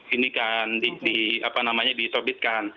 ini kan apa namanya diterbitkan